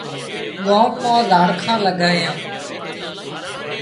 ڳام مان زاڙکان لڳايان